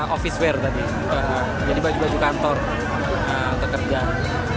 office wear tadi jadi baju baju kantor pekerjaan